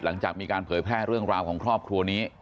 หลังจากมีการเผยแพร่เรื่องราวของครอบครัวนี้